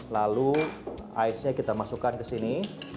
lalu aisnya kita masukkan ke sini